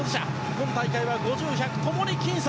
今大会は５０ｍ、１００ｍともにきん差。